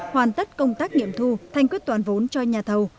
hoàn tất công tác nghiệm thu thành quyết toàn vốn cho nhà thầu